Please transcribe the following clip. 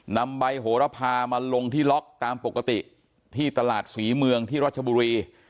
นำใบโหระพามาลงที่ล็อกตามปกติที่ตลาดศรีเมืองที่รัชบุรี